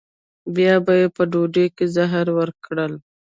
بیا به یې په ډوډۍ کې زهر ورکړل.